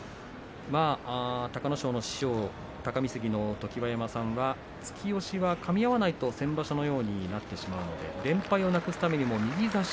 隆の勝の師匠常盤山さんは突き押しはかみ合わないと先場所のようになってしまうので連敗を脱出するためには右差し。